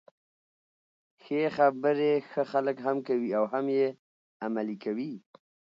ښې خبري ښه خلک هم کوي او هم يې عملي کوي.